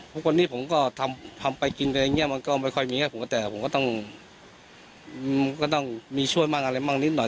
เพราะคนนี้ผมก็ทำไปกินอะไรอย่างนี้มันก็ไม่ค่อยมีให้ผมก็แต่ผมก็ต้องมีช่วยมั่งอะไรมั่งนิดหน่อย